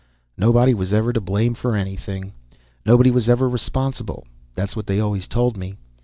"Nobody was ever to blame for anything, nobody was ever responsible. That's what they always told me.